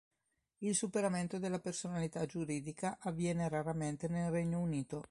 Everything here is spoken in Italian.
Il superamento della personalità giuridica avviene raramente nel Regno Unito.